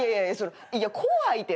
いや怖いて。